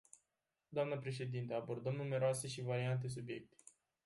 Dnă președintă, abordăm numeroase și variate subiecte.